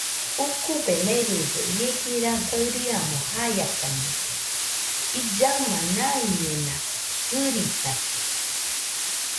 Ukube meride ie jira gaɨriamo jaiakañede; illaɨma maimɨena gɨritate